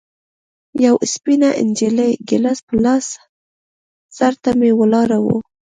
يوه سپينه نجلۍ ګيلاس په لاس سر ته مې ولاړه وه.